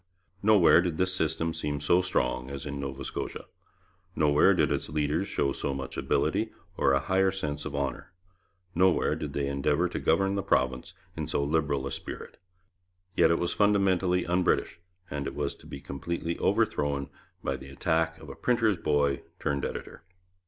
Nowhere did this system seem so strong as in Nova Scotia; nowhere did its leaders show so much ability or a higher sense of honour; nowhere did they endeavour to govern the province in so liberal a spirit. Yet it was fundamentally un British, and it was to be completely overthrown by the attack of a printer's boy turned editor.